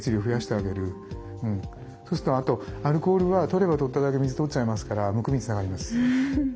あとアルコールはとればとっただけ水とっちゃいますからむくみにつながります。